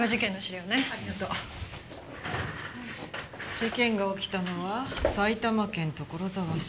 事件が起きたのは埼玉県所沢市。